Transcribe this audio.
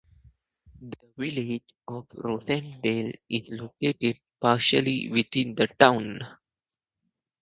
The village of Rosendale is located partially within the town.